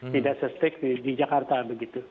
tidak se strik di jakarta begitu